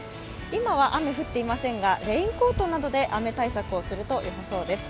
今は雨は降っていませんが、レインコートなどで雨対策をすると良さそうです。